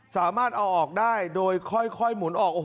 สามารถเอาออกได้โดยค่อยหมุนออก